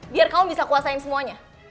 biar kamu bisa kuasain semuanya